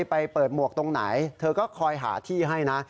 ไปเปิดหมวกตรงไหนเธอก็คอยหาที่ให้นะ